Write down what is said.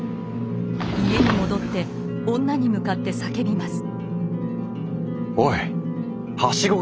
家に戻って女に向かって叫びます。